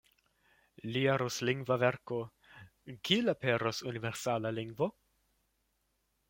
Lia ruslingva verko "Kiel aperos universala lingvo?